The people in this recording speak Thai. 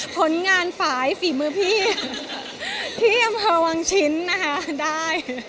ผลงานฝีมือพี่พี่ยังเพราะวางชิ้นนะคะได้